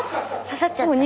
刺さっちゃった？